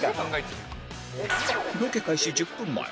ロケ開始１０分前